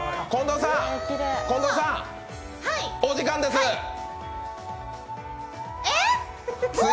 近藤さん、お時間です！